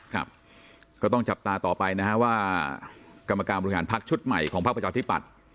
ครับก็ต้องจับตาต่อไปนะฮะว่ากรรมการบริหารพักชุดใหม่ของภาคประชาธิปัตย์